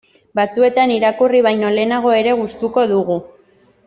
Batzuetan irakurri baino lehenago ere gustuko dugu.